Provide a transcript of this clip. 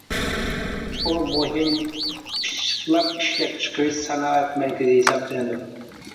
ئۇ مۇھىم پىششىقلاپ ئىشلەپچىقىرىش سانائەت مەركىزى ھېسابلىنىدۇ.